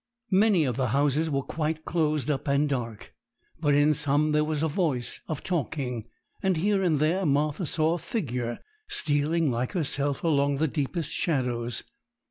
Many of the houses were quite closed up and dark, but in some there was a voice of talking; and here and there Martha saw a figure stealing like herself along the deepest shadows.